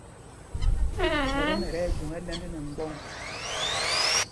Mótom ɛ́ ti ɛjwoŋ ɛ́lɛ̄nd nɛ mgbɔ̂ŋ.